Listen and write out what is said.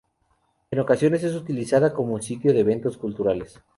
En ocasiones es utilizada como sitio de eventos culturales.